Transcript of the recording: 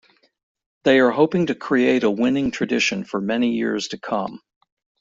They are hoping to create a winning tradition for many years to come.